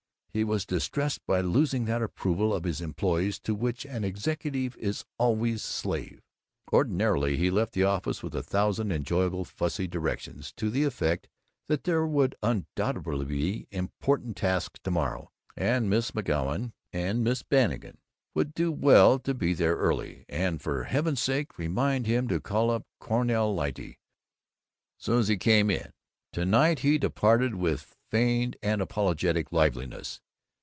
He was distressed by losing that approval of his employees to which an executive is always slave. Ordinarily he left the office with a thousand enjoyable fussy directions to the effect that there would undoubtedly be important tasks to morrow, and Miss McGoun and Miss Bannigan would do well to be there early, and for heaven's sake remind him to call up Conrad Lyte soon 's he came in. To night he departed with feigned and apologetic liveliness.